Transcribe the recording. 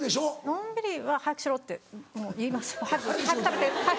のんびりは「早くしろ」って言います「早く食べて」。